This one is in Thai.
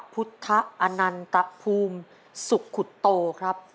พุทธอนันตภูมิสุขุตโตครับ